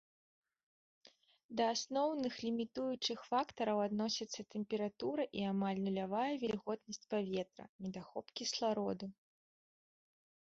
Да асноўных лімітуючых фактараў адносяцца тэмпература і амаль нулявая вільготнасць паветра, недахоп кіслароду.